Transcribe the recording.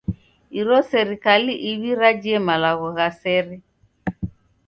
Iro serikali iw'i rajie malagho gha sere.